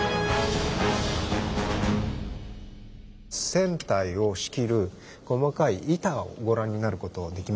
船体を仕切る細かい板をご覧になることできますかね。